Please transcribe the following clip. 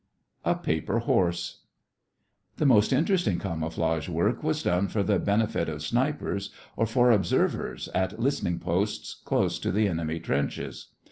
A PAPER HORSE The most interesting camouflage work was done for the benefit of snipers or for observers at listening posts close to the enemy trenches.